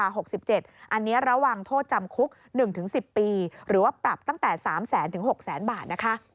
อันนี้ระหว่างโทษจำคุก๑๑๐ปีหรือว่าปรับตั้งแต่๓๐๐๖๐๐บาท